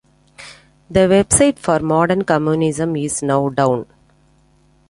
The website for "Modern Communism" is now down.